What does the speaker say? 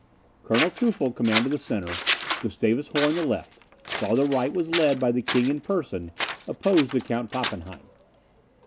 Colonel Teufel commanded the centre, Gustavus Horn the left, while the right was led by the king in person, opposed to Count Pappenheim.